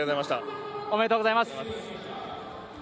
おめでとうございます。